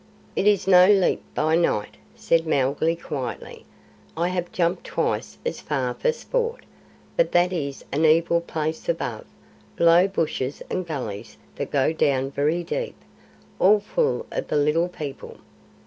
"It is no leap by night," said Mowgli quietly. "I have jumped twice as far for sport; but that is an evil place above low bushes and gullies that go down very deep, all full of the Little People.